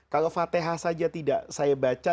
kalau fatehah saja tidak saya baca